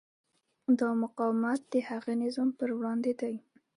دا مقاومت د هغه نظام پر وړاندې دی.